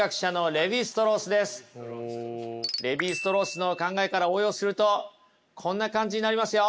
レヴィ＝ストロースの考えから応用するとこんな感じになりますよ。